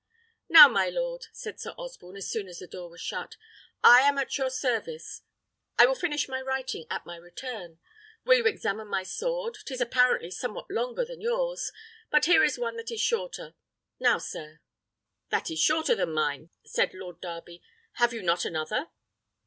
"Now my lord," said Sir Osborne, as soon as the door was shut, "I am at your service; I will finish my writing at my return. Will you examine my sword, 'tis apparently somewhat longer than yours, but here is one that is shorter. Now, sir." "That is shorter than mine," said Lord Darby. "Have you not another?"